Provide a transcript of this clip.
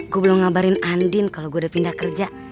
gue belum ngabarin andin kalau gue udah pindah kerja